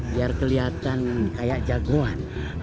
biar kelihatan kayak jagoan